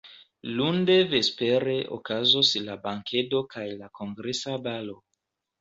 Lunde vespere okazos la bankedo kaj la kongresa balo.